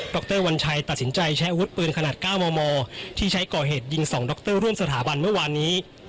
รวัญชัยตัดสินใจใช้อาวุธปืนขนาด๙มมที่ใช้ก่อเหตุยิง๒ดรร่วมสถาบันเมื่อวานนี้